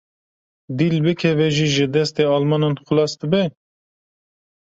Dîl bikeve jî ji destê Almanan xelas dibe?